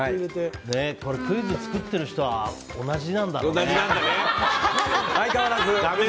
これクイズ作ってる人は同じなんだろうね。